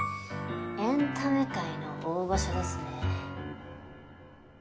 エンタメ界の大御所ですね。